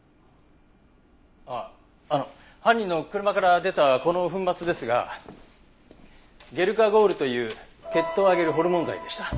あっあの犯人の車から出たこの粉末ですがゲルカゴールという血糖を上げるホルモン剤でした。